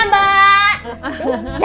oke bentar lagi